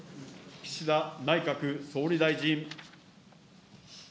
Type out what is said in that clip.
岸田内閣総理大臣。